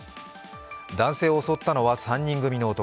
男性を襲ったのは３人組の男。